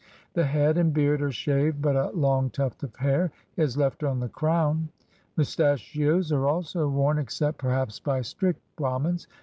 The head and beard are shaved, but a long tuft of hair is left on the crown. Mustachios are also worn, except perhaps by strict Bramins.